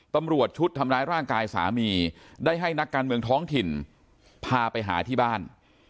ตำรวจชุดทำร้ายร่างกายสามีได้ให้นักการเมืองท้องถิ่นพาไปหาที่บ้าน